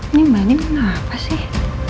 ini mbak nin kenapa sih